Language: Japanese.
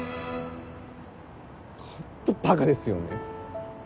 ホントバカですよね。